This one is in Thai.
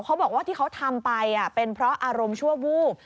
เขาบอกว่าที่เขาทำไปเป็นเพราะอารมณ์ชั่ววูบ